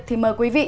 thì mời quý vị